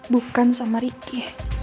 bukan sama ricky